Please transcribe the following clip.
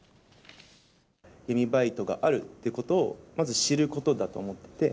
闇バイトがあるってことを、まず知ることだと思って。